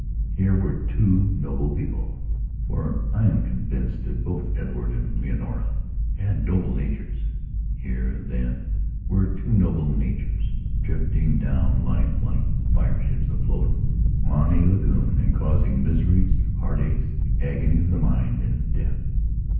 Here were two noble peoplefor I am convinced that both Edward and Leonora had noble natureshere, then, were two noble natures, drifting down life, like fireships afloat on a lagoon and causing miseries, heart aches, agony of the mind and death.